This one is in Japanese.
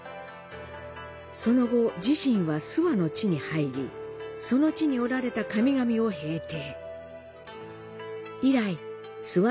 その後、自身は諏訪の地に入り、その地におられた神々を平定。